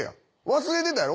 忘れてたやろ？